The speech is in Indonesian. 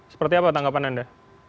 seperti apa tanggapan anda